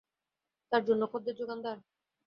তার জন্য খদ্দের জোগানদার?